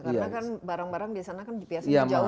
karena kan barang barang di sana kan dipiaskan ke jawa